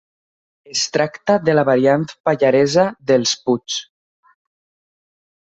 Es tracta de la variant pallaresa dels Puigs.